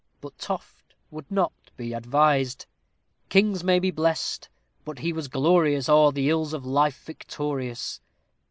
But Toft would not be advised Kings may be blest, but he was glorious, O'er all the ills of life victorious.